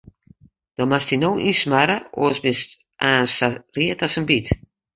Do moatst dy no ynsmarre, oars bist aanst sa read as in byt.